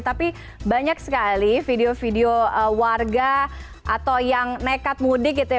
tapi banyak sekali video video warga atau yang nekat mudik gitu ya